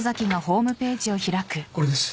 これです